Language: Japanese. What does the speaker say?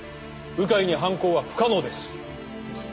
鵜飼に犯行は不可能です。